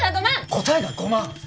答えが５万！？